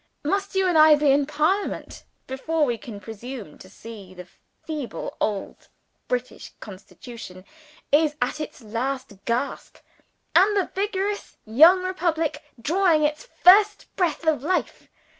Must you and I be in Parliament before we can presume to see that the feeble old British Constitution is at its last gasp ?" "And the vigorous young Republic drawing its first breath of life!"